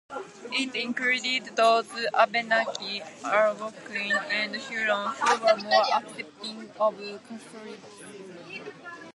It included those Abenaki, Algonquin, and Huron who were more accepting of Catholicism.